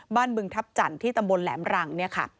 บ้านบึงทับจันทร์ที่ตำบลแหลมรัง